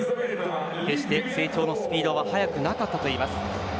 決して成長のスピードは速くなかったといいます。